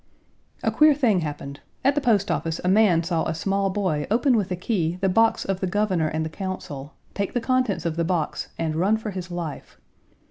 A queer thing happened. At the post office a man saw a small boy open with a key the box of the Governor and the Council, take the contents of the box and run for his life.